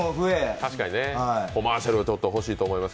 確かにね、コマーシャルは欲しいと思います。